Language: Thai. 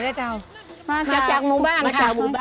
ให้เข้าบรรยากาศ